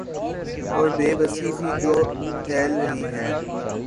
اوربے بسی بھی جو پھیل رہی ہیں۔